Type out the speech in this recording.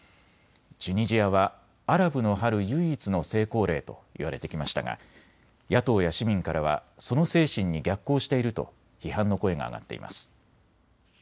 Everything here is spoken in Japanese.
チュニジアはアラブの春、唯一の成功例といわれてきましたが野党や市民からはその精神に逆行していると批判の声が上がっています。